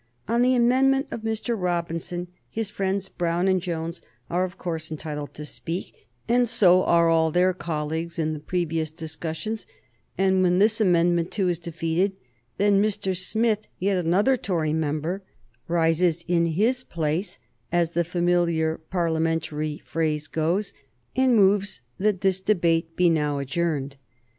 On the amendment of Mr. Robinson his friends Brown and Jones are of course entitled to speak, and so are all their colleagues in the previous discussions, and when this amendment too is defeated, then Mr. Smith, yet another Tory member, rises in his place, as the familiar Parliamentary phrase goes, and moves that this debate be now adjourned.